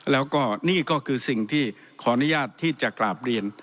แล้วก็นี่ก็คือสิ่งที่ขออนุญาตที่จะกราบเรียน